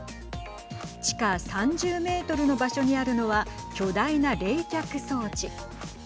地下３０メートルの場所にあるのは巨大な冷却装置。